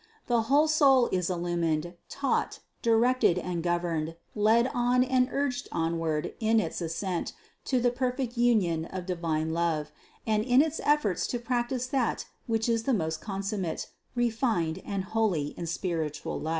The whole soul is illumined, taught, directed and governed, led on and urged onward in its ascent to the perfect union of divine love, and in its efforts to practice that which is the most consummate, refined and holy in spiritual life.